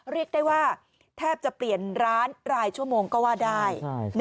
เรียกได้ว่าแทบจะเปลี่ยนร้านรายชั่วโมงก็ว่าได้